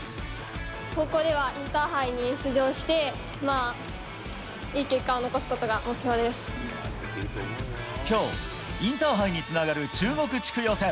高校ではインターハイに出場して、きょう、インターハイにつながる中国地区予選。